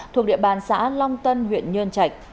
thuộc địa bàn xã long tân huyện nhơn trạch